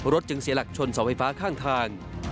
จึงเสียหลักชนเสาไฟฟ้าข้างทาง